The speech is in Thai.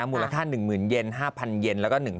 มูลค่า๑๐๐๐๐เยน๕พันเย้นแล้วก็